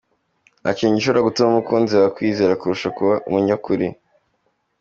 Nta kintu gishobora gutuma umukunzi wawe akwizera kurusha kuba umunyakuri.